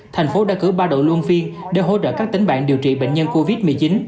thành phố đã cử ba đội luôn phiên để hỗ trợ các tỉnh bạn điều trị bệnh nhân covid một mươi chín